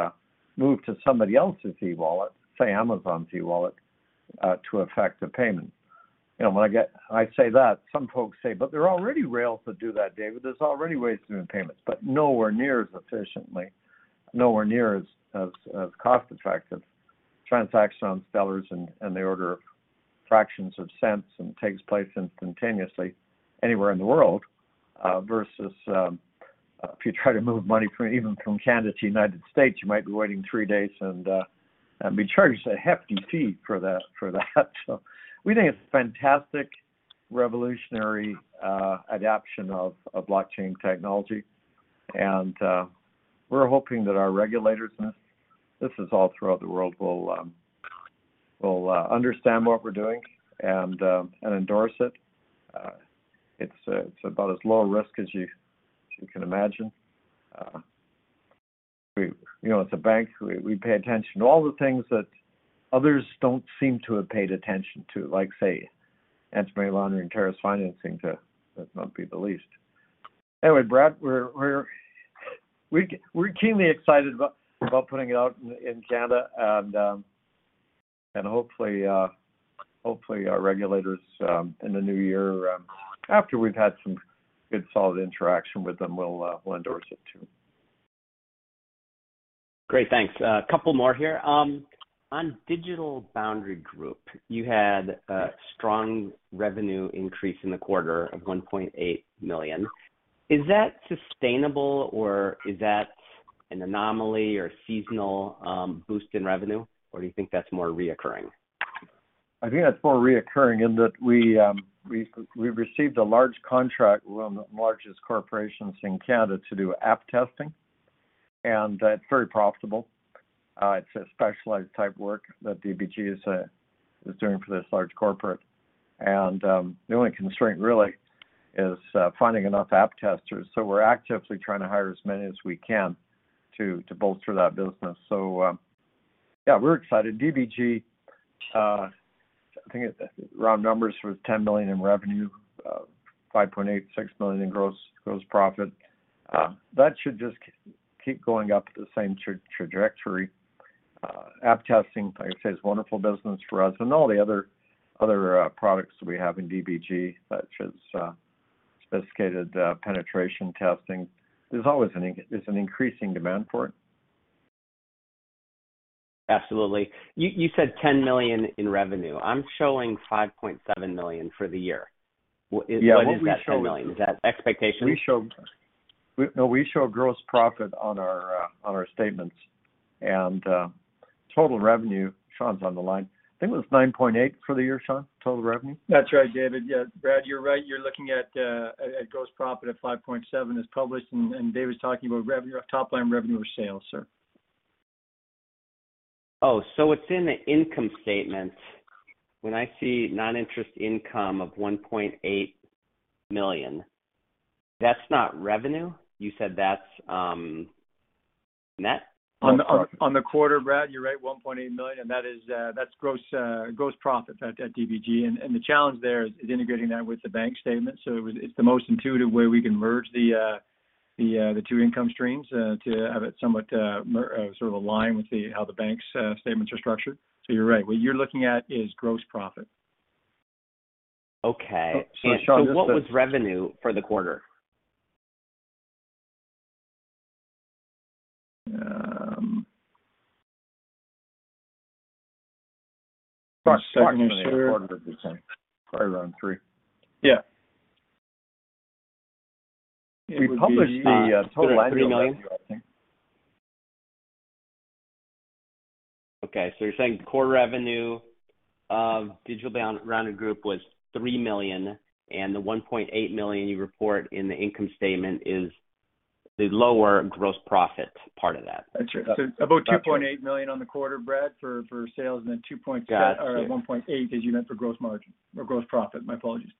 move to somebody else's e-wallet, say Amazon's e-wallet, to effect a payment. You know, when I say that, some folks say, "There are already rails that do that, David. There's already ways to do payments." Nowhere near as efficiently, nowhere near as cost-effective. Transactions on Stellar is in the order of fractions of cents and takes place instantaneously anywhere in the world versus, if you try to move money from even from Canada to United States, you might be waiting three days and be charged a hefty fee for that. We think it's fantastic revolutionary adaption of blockchain technology. We're hoping that our regulators, and this is all throughout the world, will understand what we're doing and endorse it. It's about as low risk as you can imagine. You know, as a bank, we pay attention to all the things that others don't seem to have paid attention to, like, say, anti-money laundering and terrorist financing to not be the least. Anyway, Brad, we're keenly excited about putting it out in Canada and hopefully our regulators in the new year after we've had some good solid interaction with them, will endorse it too. Great. Thanks. A couple more here. On Digital Boundary Group, you had a strong revenue increase in the quarter of 1.8 million. Is that sustainable or is that an anomaly or a seasonal boost in revenue, or do you think that's more recurring? I think that's more reoccurring in that we received a large contract with one of the largest corporations in Canada to do app testing, and that's very profitable. It's a specialized type work that DBG is doing for this large corporate. The only constraint really is finding enough app testers. We're actively trying to hire as many as we can to bolster that business. Yeah, we're excited. DBG, I think it round numbers was 10 million in revenue, 5.8 million, 6 million in gross profit. That should just keep going up at the same trajectory. App testing, like I say, is wonderful business for us and all the other products that we have in DBG, such as, sophisticated, penetration testing. There's always an increasing demand for it. Absolutely. You said 10 million in revenue. I'm showing 5.7 million for the year. Yeah. What we show. What is that 10 million? Is that expectation? We show gross profit on our statements and total revenue. Shawn's on the line. I think it was 9.8 for the year, Shawn, total revenue. That's right, David. Yeah. Brad, you're right. You're looking at gross profit of 5.7 as published, and David's talking about revenue, top line revenue or sales, sir. It's in the income statement. When I see non-interest income of 1.8 million, that's not revenue. You said that's net? On the, on the quarter, Brad, you're right, 1.8 million. That is, that's gross profit at DBG. The challenge there is integrating that with the bank statement. It's the most intuitive way we can merge the, the two income streams, to have it somewhat, sort of align with the, how the bank's statements are structured. You're right. What you're looking at is gross profit. Okay. Sean. What was revenue for the quarter? about CAD 2 million. Probably around three. Yeah. We published the total revenue, I think. Okay. You're saying core revenue of Digital Boundary Group was 3 million, and the 1.8 million you report in the income statement is the lower gross profit part of that. That's right. about 2.8 million on the quarter, Brad, for sales. Got it. 1.8 million, as you meant, for gross margin or gross profit, my apologies.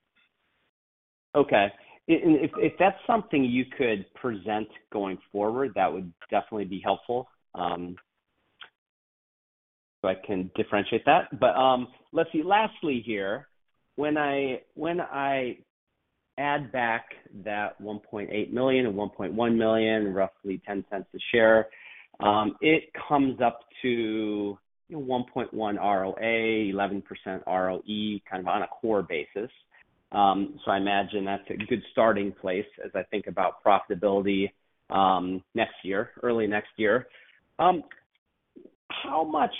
Okay. If that's something you could present going forward, that would definitely be helpful, so I can differentiate that. Let's see. Lastly here, when I add back that 1.8 million and 1.1 million, roughly 0.10 a share, it comes up to, you know, 1.1% ROA, 11% ROE, kind of on a core basis. I imagine that's a good starting place as I think about profitability, next year, early next year. How much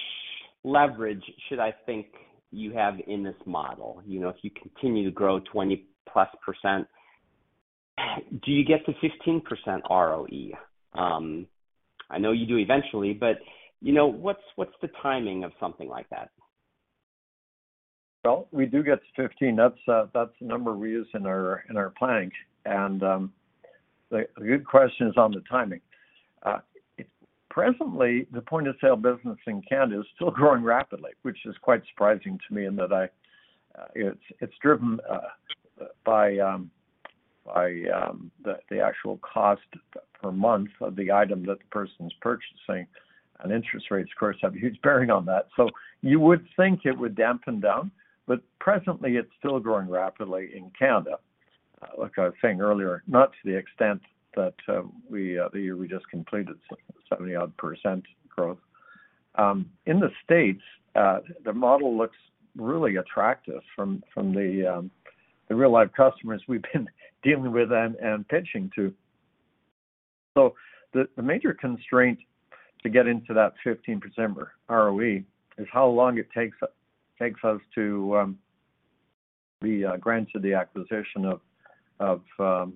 leverage should I think you have in this model? You know, if you continue to grow 20%+, do you get to 15% ROE? I know you do eventually, but, you know, what's the timing of something like that? Well, we do get to 15%. That's the number we use in our, in our planning. The good question is on the timing. Presently, the point-of-sale business in Canada is still growing rapidly, which is quite surprising to me in that it's driven by the actual cost per month of the item that the person's purchasing, and interest rates of course, have a huge bearing on that. You would think it would dampen down, but presently it's still growing rapidly in Canada. Like I was saying earlier, not to the extent that we the year we just completed 70% odd growth. In the States, the model looks really attractive from the real-life customers we've been dealing with and pitching to. The major constraint to get into that 15% ROE is how long it takes us to be granted the acquisition of the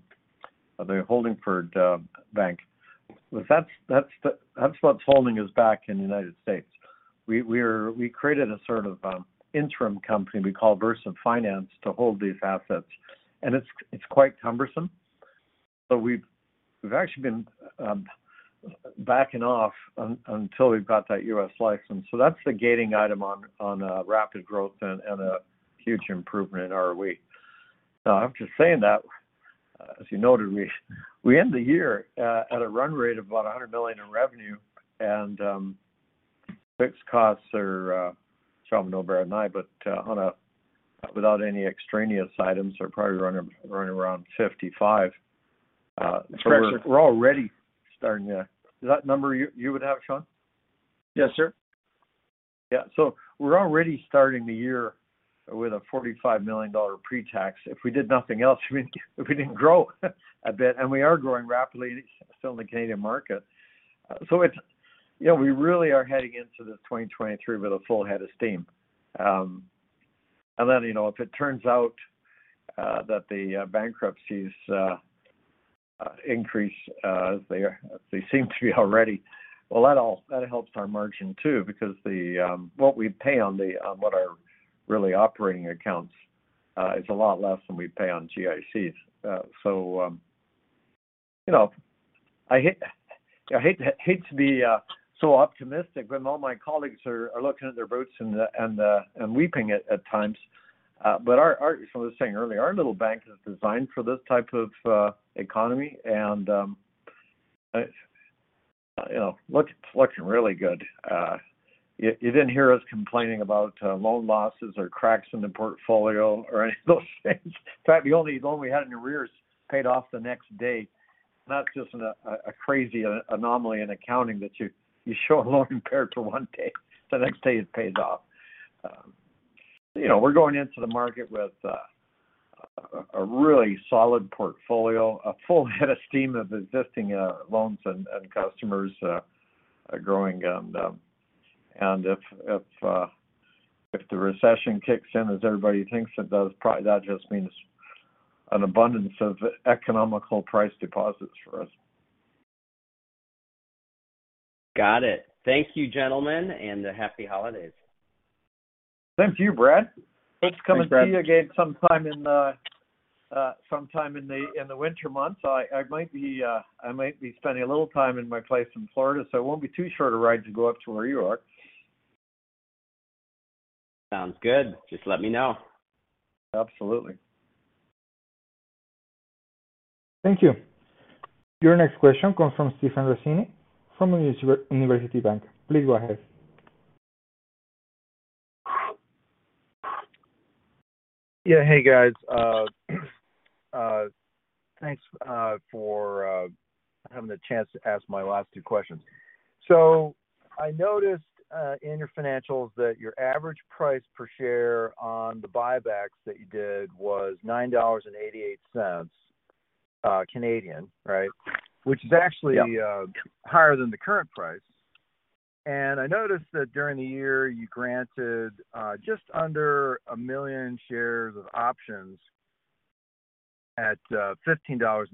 Holdingford Bank. That's what's holding us back in the United States. We created a sort of interim company we call VersaFinance to hold these assets, and it's quite cumbersome. We've actually been backing off until we've got that U.S. license. That's the gating item on rapid growth and a huge improvement in ROE. After saying that, as you noted, we end the year, at a run rate of about 100 million in revenue and, fixed costs are, Shawn will know better than I, but, without any extraneous items, they're probably around 55 million. Is that number you would have, Shawn? Yes, sir. Yeah. We're already starting the year with a 45 million dollar pre-tax. If we did nothing else, I mean, if we didn't grow a bit, and we are growing rapidly still in the Canadian market. You know, we really are heading into this 2023 with a full head of steam. Then, you know, if it turns out that the bankruptcies increase as they are, as they seem to be already, well, that helps our margin too, because the what we pay on the on what are really operating accounts is a lot less than we pay on GICs. You know, I hate to be so optimistic when all my colleagues are looking at their boats and and weeping at times. As I was saying earlier, our little bank is designed for this type of economy, and it, you know, it's looking really good. You didn't hear us complaining about loan losses or cracks in the portfolio or any of those things. In fact, the only loan we had in arrears paid off the next day. That's just a crazy anomaly in accounting that you show a loan impaired for one day, the next day it pays off. You know, we're going into the market with a really solid portfolio, a full head of steam of existing loans and customers growing. If the recession kicks in as everybody thinks it does, probably that just means an abundance of economical priced deposits for us. Got it. Thank you, gentlemen, and happy holidays. Thank you, Brad. Hope to come and see you again sometime in the winter months. I might be spending a little time in my place in Florida, so it won't be too short a ride to go up to where you are. Sounds good. Just let me know. Absolutely. Thank you. Your next question comes from Stephen Ranzini from University Bank. Please go ahead. Yeah. Hey, guys. thanks for having the chance to ask my last two questions. I noticed in your financials that your average price per share on the buybacks that you did was 9.88 dollars, right? Which is actually. Yeah. higher than the current price. I noticed that during the year you granted, just under 1 million shares of options at 15.90 dollars.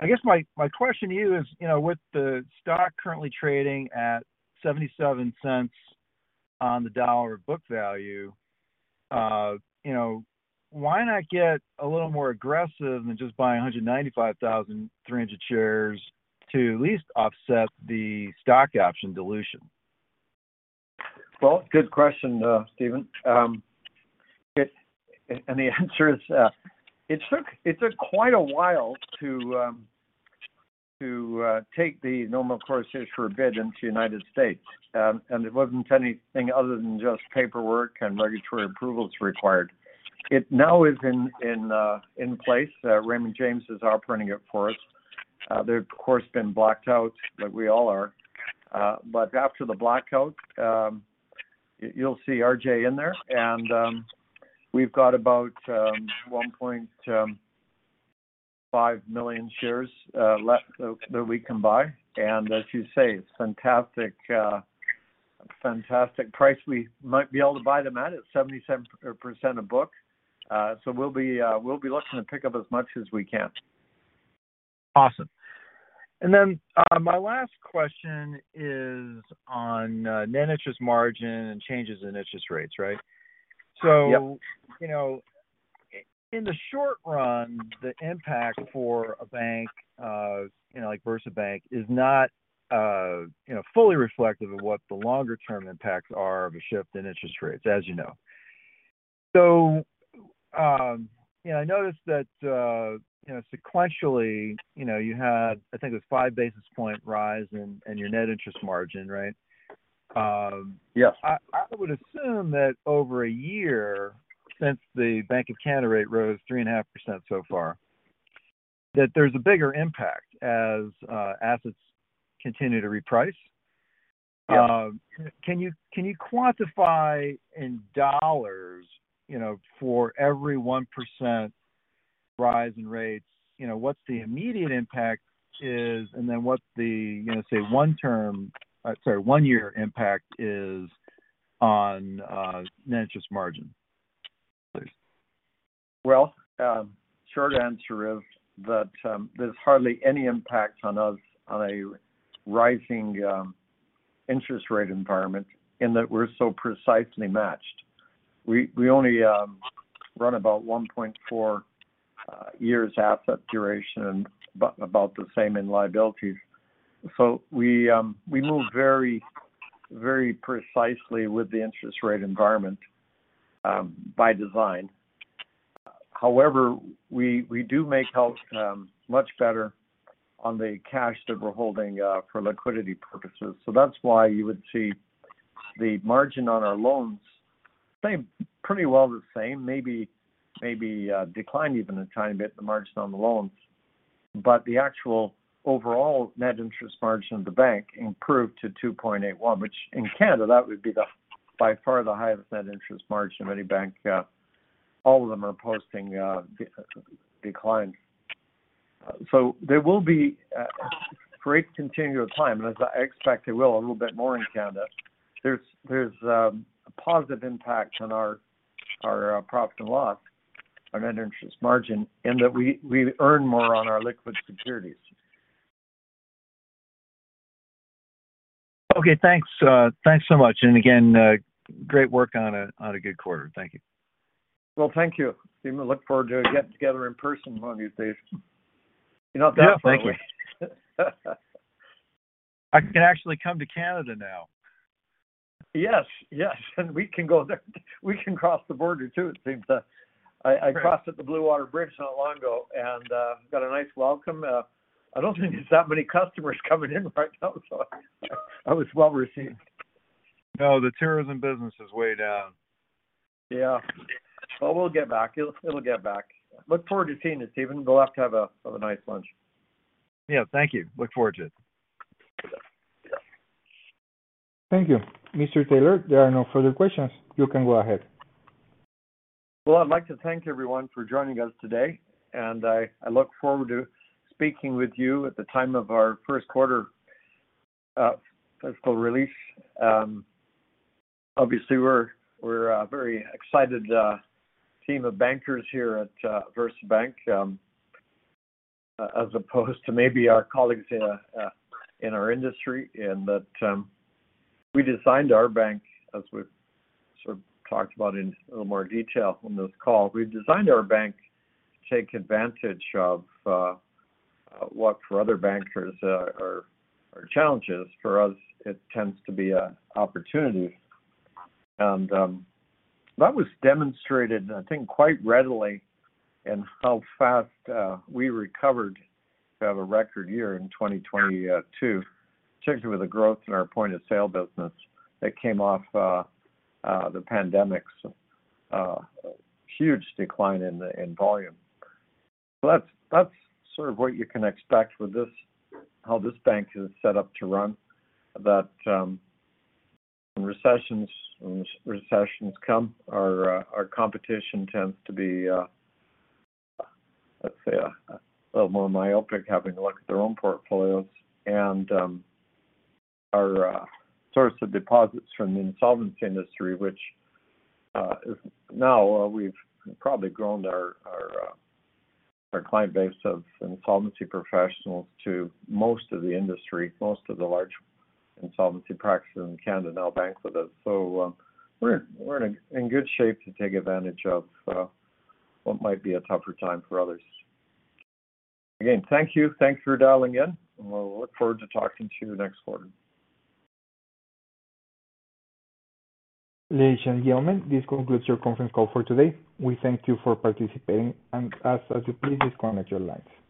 I guess my question to you is, you know, with the stock currently trading at 0.77 on the dollar book value, you know, why not get a little more aggressive than just buying 195,300 shares to at least offset the stock option dilution? Well, good question, Stephen. The answer is, it took quite a while to take the normal course issuer bid into United States. It wasn't anything other than just paperwork and regulatory approvals required. It now is in place. Raymond James is operating it for us. They've, of course, been blacked out, like we all are. But after the blackout, you'll see RJ in there. We've got about 1.5 million shares left that we can buy. As you say, fantastic price we might be able to buy them at at 77% a book. We'll be looking to pick up as much as we can. Awesome. Then, my last question is on, net interest margin and changes in interest rates, right? Yep. You know, in the short run, the impact for a bank, you know, like VersaBank, is not, you know, fully reflective of what the longer term impacts are of a shift in interest rates, as you know. You know, I noticed that, you know, sequentially, you know, you had, I think it was 5 basis point rise in your net interest margin, right? Yes. I would assume that over a year since the Bank of Canada rate rose 3.5% so far, that there's a bigger impact as assets continue to reprice. Can you quantify in dollars, you know, for every 1% rise in rates, you know, what's the immediate impact is and then what the, you know, say one-term, sorry, one-year impact is on net interest margin, please? Well, short answer is that there's hardly any impact on us on a rising interest rate environment in that we're so precisely matched. We only run about 1.4 years asset duration, about the same in liabilities. We move very precisely with the interest rate environment by design. However, we do make out much better on the cash that we're holding for liquidity purposes. That's why you would see the margin on our loans stay pretty well the same, maybe decline even a tiny bit, the margin on the loans. The actual overall net interest margin of the bank improved to 2.81%, which in Canada, that would be the, by far the highest net interest margin of any bank. All of them are posting declines. There will be a great continual time, and as I expect there will a little bit more in Canada. There's a positive impact on our profit and loss on net interest margin, in that we earn more on our liquid securities. Okay. Thanks. Thanks so much. Again, great work on a good quarter. Thank you. Well, thank you. We look forward to getting together in person one of these days. You're not that far away. I can actually come to Canada now. Yes, and we can go there. We can cross the border too, it seems. I crossed at the Blue Water Bridge not long ago, and got a nice welcome. I don't think there's that many customers coming in right now, so I was well received. No, the tourism business is way down. Yeah. We'll get back. It'll get back. Look forward to seeing you, Stephen. We'll have to have a nice lunch. Yeah. Thank you. Look forward to it. Yeah. Thank you. Mr. Taylor, there are no further questions. You can go ahead. Well, I'd like to thank everyone for joining us today, and I look forward to speaking with you at the time of our first quarter fiscal release. Obviously we're a very excited team of bankers here at VersaBank, as opposed to maybe our colleagues in our industry. In that, we designed our bank, as we sort of talked about in a little more detail on this call, we designed our bank to take advantage of what for other bankers are challenges, for us it tends to be a opportunity. And that was demonstrated, I think, quite readily in how fast we recovered to have a record year in 2022, particularly with the growth in our point-of-sale business that came off the pandemic's huge decline in the, in volume. That's, that's sort of what you can expect with this, how this bank is set up to run. That, when recessions come, our competition tends to be, let's say a little more myopic having to look at their own portfolios. Our source of deposits from the insolvency industry, which is now we've probably grown our client base of insolvency professionals to most of the industry. Most of the large insolvency practices in Canada now bank with us. We're in good shape to take advantage of what might be a tougher time for others. Again, thank you. Thank you for dialing in, and we'll look forward to talking to you next quarter. Ladies and gentlemen, this concludes your conference call for today. We thank you for participating. As you please, disconnect your lines.